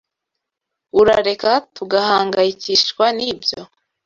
Urareka tugahangayikishwa nibyo.